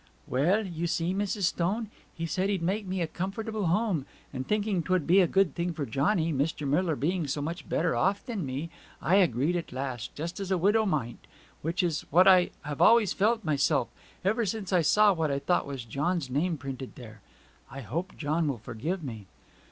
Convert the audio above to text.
'Well, you see, Mrs. Stone, he said he'd make me a comfortable home; and thinking 'twould be a good thing for Johnny, Mr. Miller being so much better off than me, I agreed at last, just as a widow might which is what I have always felt myself; ever since I saw what I thought was John's name printed there. I hope John will forgive me!'